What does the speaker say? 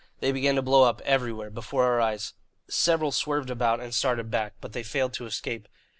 They began to blow up, everywhere, before our eyes. Several swerved about and started back, but they failed to escape.